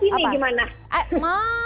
pilih aja kesini gimana